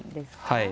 はい。